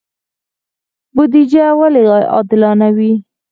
بودجه ولې عادلانه وي؟